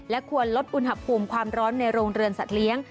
ควรลดอุณหภูมิความร้อนในโรงเรือนสัตว์เลี้ยง